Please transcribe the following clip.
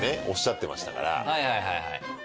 おっしゃってましたから。